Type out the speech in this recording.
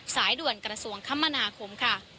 ๑๓๕๖สายด่วนกระทรวงคำมนาคม